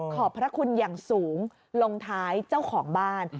ขอบพระคุณอย่างสูงลงท้ายเจ้าของบ้าน